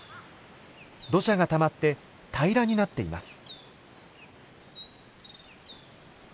土砂がたまって平らになっています。